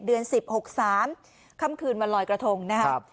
เดือนสิบหกสามคำคืนวันลอยกระทงนะครับ